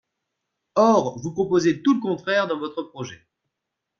Or vous proposez tout le contraire dans votre projet.